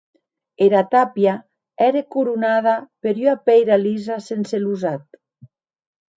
Era tàpia ère coronada per ua pèira lisa sense losat.